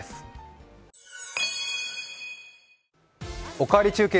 「おかわり中継」